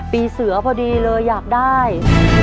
ปีเสือพอดีเลยอยากได้